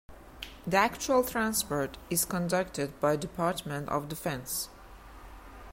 The actual transport is conducted by the Department of Defense.